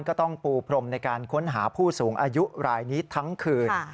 ก็ต้องปูพรมในการค้นหาผู้สูงอายุรายนี้ทั้งคืน